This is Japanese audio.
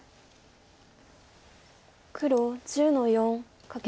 黒１０の四カケツギ。